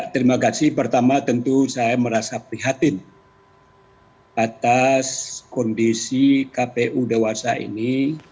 terima kasih pertama tentu saya merasa prihatin atas kondisi kpu dewasa ini